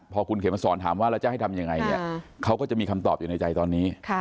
พอคุณเขมสอนถามว่าแล้วจะให้ทำยังไงเนี่ยเขาก็จะมีคำตอบอยู่ในใจตอนนี้